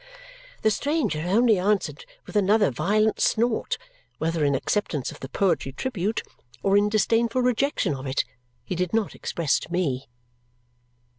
The stranger only answered with another violent snort, whether in acceptance of the poetry tribute or in disdainful rejection of it, he did not express to me.